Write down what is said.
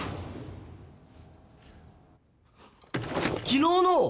昨日の！？